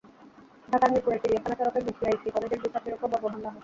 ঢাকার মিরপুরের চিড়িয়াখানা সড়কে বিসিআইসি কলেজের দুই ছাত্রীর ওপর বর্বর হামলা হয়।